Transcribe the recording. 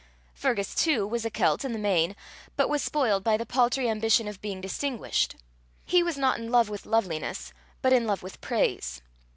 Fergus too was a Celt in the main, but was spoiled by the paltry ambition of being distinguished. He was not in love with loveliness, but in love with praise.